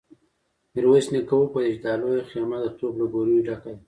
ميرويس نيکه وپوهيد چې دا لويه خيمه د توپ له ګوليو ډکه ده.